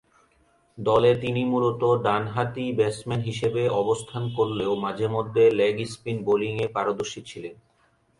দলে তিনি মূলতঃ ডানহাতি ব্যাটসম্যান হিসেবে অবস্থান করলেও মাঝে-মধ্যে লেগ-স্পিন বোলিংয়ে পারদর্শী ছিলেন।